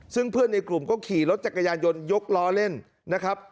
ซึ่งเพื่อนในกลุ่มก็ขี่รถจักรยานยนต์ยกล้อเล่นนะครับ